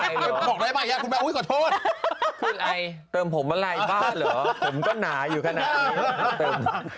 อีกแล้วเนี่ยเติมผมอะไรบ้างเนี่ยผมก็หนาอยู่ขนาดนี้